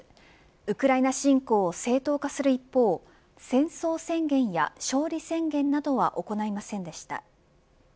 ウクライナ侵攻を正当化する一方戦争宣言や勝利宣言などは行いませんでした。